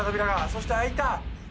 そして開いた。